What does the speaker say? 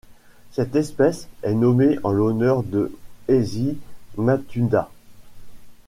Cette espèce est nommée en l'honneur de Eizi Matuda.